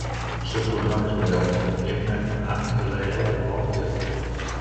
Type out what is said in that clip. El seu cognom és Mallol: ema, a, ela, ela, o, ela.